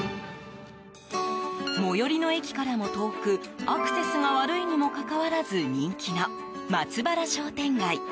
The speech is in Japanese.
最寄りの駅からも遠くアクセスが悪いにもかかわらず人気の松原商店街。